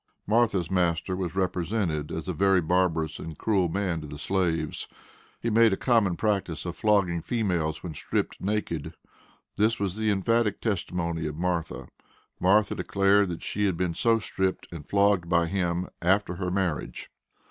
Martha's master was represented as a very barbarous and cruel man to the slaves. He made a common practice of flogging females when stripped naked. This was the emphatic testimony of Martha. Martha declared that she had been so stripped, and flogged by him after her marriage.